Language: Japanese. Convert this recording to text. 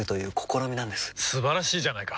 素晴らしいじゃないか！